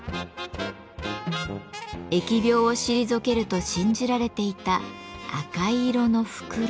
疫病を退けると信じられていた赤い色の梟。